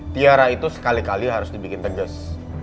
tiara itu sekali kali harus dibikin tegas